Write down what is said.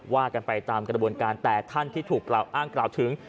ว่ากันไปตามกระบวนการแต่ท่านที่ถูกกล่าวอ้างกล่าวถึง